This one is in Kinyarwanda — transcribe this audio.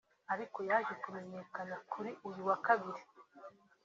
ariko yaje kumenyekana kuri uyu wa kabiri